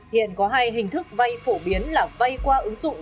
hiện có hai hình thức vay phổ biến là vay qua ứng dụng